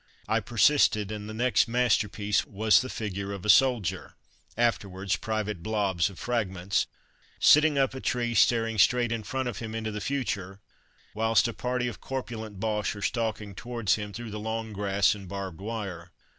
I persisted, and the next "masterpiece" was the figure of a soldier (afterwards Private Blobs, of "Fragments") sitting up a tree staring straight in front of him into the future, whilst a party of corpulent Boches are stalking towards him through the long grass and barbed wire.